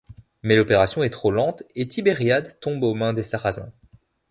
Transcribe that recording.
Mais l'opération est trop lente et Tibériade tombe aux mains des sarrasins.